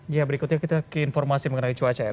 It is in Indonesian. ya berikutnya kita ke informasi mengenai cuaca ya